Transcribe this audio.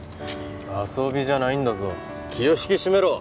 遊びじゃないんだぞ気を引き締めろ！